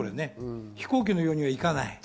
飛行機のようにはいかない。